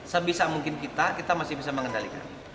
sebisa mungkin kita kita masih bisa mengendalikan